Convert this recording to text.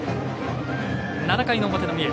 ７回の表の三重。